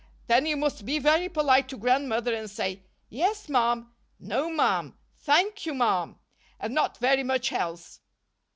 Then you must be very polite to Grandmother and say 'Yes, ma'am,' 'No, ma'am,' 'Thank you, ma'am' and not very much else.